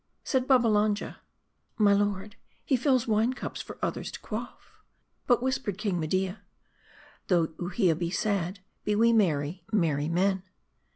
Said Babbalanja " My lord, he fills wine cups for others to quaff." "But whispered King Media, "Though Uhia be sad, be we merry, merry men."